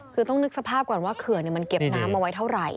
คือต้องนึกสภาพก่อนว่าเขื่อนมันเก็บน้ำเอาไว้เท่าไหร่